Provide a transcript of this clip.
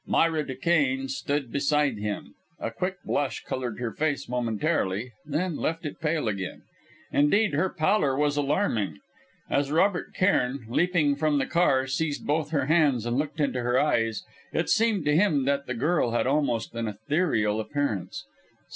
Myra Duquesne stood beside him. A quick blush coloured her face momentarily; then left it pale again. Indeed, her pallor was alarming. As Robert Cairn, leaping from the car, seized both her hands and looked into her eyes, it seemed to him that the girl had almost an ethereal appearance.